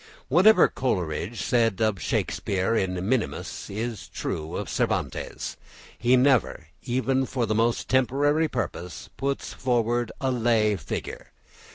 What Coleridge said of Shakespeare in minimis is true of Cervantes; he never, even for the most temporary purpose, puts forward a lay figure.